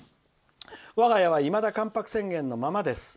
「我が家はいまだ「関白宣言」のままです。